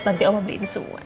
nanti oma beliin semua ya